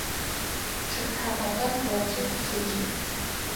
Чъыг тхьапэхэр гъожьых, плъыжьых.